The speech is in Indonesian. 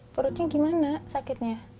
perutnya gimana sakitnya